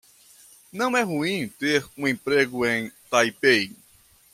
Não é ruim ter um emprego em Taipei.